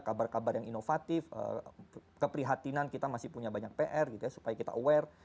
kabar kabar yang inovatif keprihatinan kita masih punya banyak pr gitu ya supaya kita aware